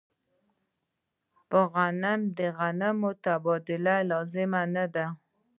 په غنمو د غنمو تبادله لازمه نه ده.